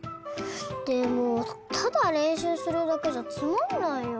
でもただれんしゅうするだけじゃつまんないよ。